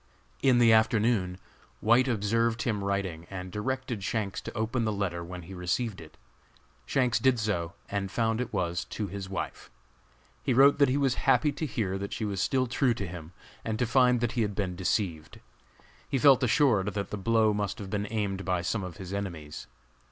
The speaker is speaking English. In the afternoon, White observed him writing and directed Shanks to open the letter when he received it. Shanks did so and found it was to his wife. He wrote that he was happy to hear that she was still true to him, and to find that he had been deceived. He felt assured that the blow must have been aimed by some of his enemies.